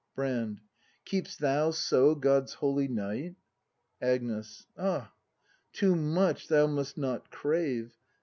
Brand. Keep'st thou so God's holy Night? Agnes. Ah! Too much thou must not crave!